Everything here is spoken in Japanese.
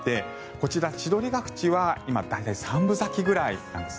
こちら千鳥ヶ淵は今大体、三分咲きぐらいなんです。